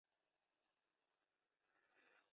F= Final.